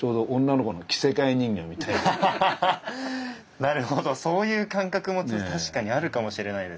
なるほどそういう感覚も確かにあるかもしれないですね。